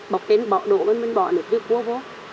một cái bọt đổ bên bên bọt nước rượu cua vô